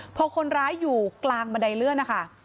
พอคนร้ายอยู่กลางบันไดเลื่อนนะคะ